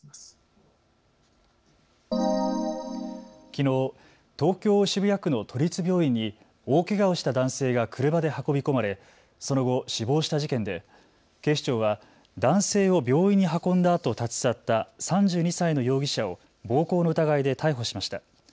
きのう東京渋谷区の都立病院に大けがをした男性が車で運び込まれその後、死亡した事件で警視庁は男性を病院に運んだあと立ち去った３２歳の容疑者を暴行の疑いで逮捕しました。